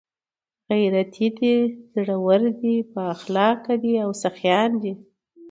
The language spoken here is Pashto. ، غيرتي دي، زړور دي، بااخلاقه دي او سخيان دي